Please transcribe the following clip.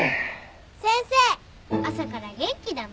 先生朝から元気だな。